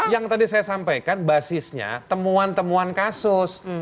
yang tadi saya sampaikan basisnya temuan temuan kasus